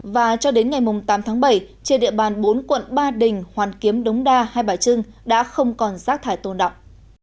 và cho đến ngày tám tháng bảy trên địa bàn bốn quận ba đình hoàn kiếm đống đa hai bài trưng đã không còn rác thải tồn đọng